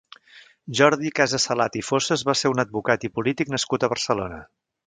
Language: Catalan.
Jordi Casas-Salat i Fossas va ser un advocat i polític nascut a Barcelona.